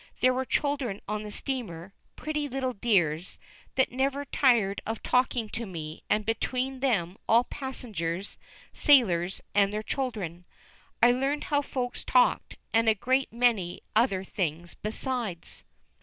There were children on the steamer, pretty little dears, that never tired of talking to me, and between them all, passengers, sailors, and the children, I learned how Folks talked, and a great many other things besides.